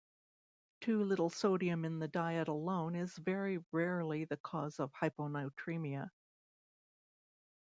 Too little sodium in the diet alone is very rarely the cause of hyponatremia.